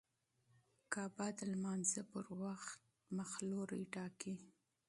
کعبه د لمانځه پر مهال قبله ټاکي.